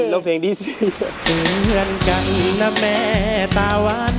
ร้องเพลงที่๔